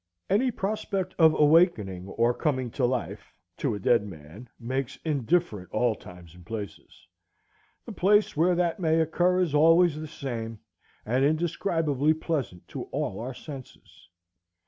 Any prospect of awakening or coming to life to a dead man makes indifferent all times and places. The place where that may occur is always the same, and indescribably pleasant to all our senses.